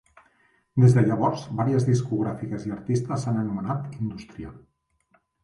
Des de llavors, varies discogràfiques i artistes s'han anomenat "industrial".